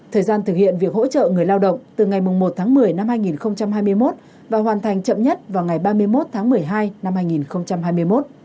thời gian thực hiện việc hỗ trợ người lao động từ ngày một tháng một mươi năm hai nghìn hai mươi một và hoàn thành chậm nhất vào ngày ba mươi một tháng một mươi hai năm hai nghìn hai mươi một